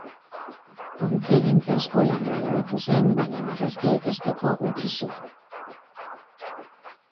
Ontzigintza-eskolan graduatu zen baina marrazkia ikasteko utzi zuen.